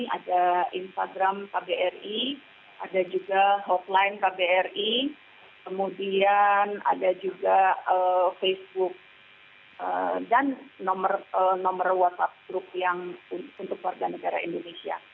ada instagram kbri ada juga hotline kbri kemudian ada juga facebook dan nomor whatsapp group yang untuk warga negara indonesia